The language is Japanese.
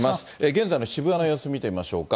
現在の渋谷の様子見てみましょうか。